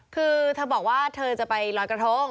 คือเธอบอกว่าเธอจะไปลอยกระทง